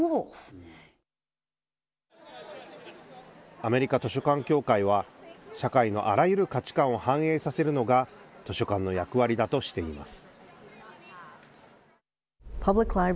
アメリカ図書館協会は社会のあらゆる価値感を反映させるのが図書館の役割だとしています。